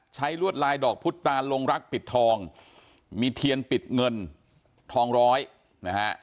ลวดลายดอกพุตตาลงรักปิดทองมีเทียนปิดเงินทองร้อยนะฮะ